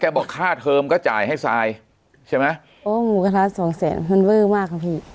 บอกค่าเทอมก็จ่ายให้ทรายใช่ไหมโอ้หมูกระทะสองแสนมันเวอร์มากค่ะพี่